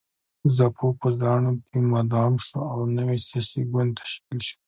زاپو په زانو کې مدغم شو او نوی سیاسي ګوند تشکیل شو.